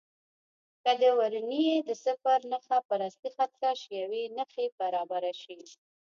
که د ورنیې د صفر نښه پر اصلي خط کش یوې نښې برابره شي.